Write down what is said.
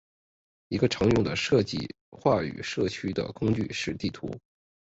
一个常用的设计话语社区的工具是地图。